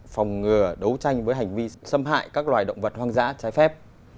phòng ngừa đấu tranh với hành vi xâm hại các loài động vật hoang dã trái phép